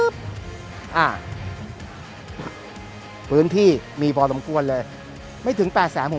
มาอ่ะพื้นที่มีปรมควนเลยไม่ถึงแปดแสนผม